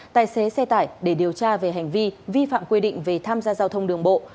tài xế xe tải để điều tra về hành vi vi phạm quy định về tham gia giao thông đường bộ